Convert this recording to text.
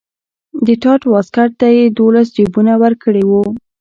د ټاټ واسکټ ته یې دولس جیبونه ورکړي وو.